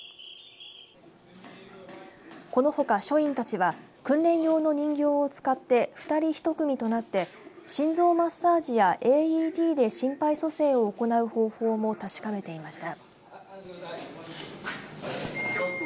このほか署員たちは訓練用の人形を使って２人１組となって心臓マッサージやＡＥＤで心肺蘇生を行う方法も確かめていました。